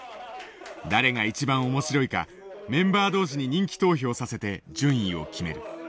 誰が一番面白いかメンバー同士に人気投票させて順位を決める。